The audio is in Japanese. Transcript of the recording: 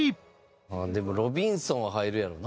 でも『ロビンソン』は入るやろな。